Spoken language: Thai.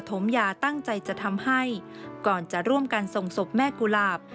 มยาตั้งใจจะทำให้ก่อนจะร่วมกันส่งศพแม่กุหลาบ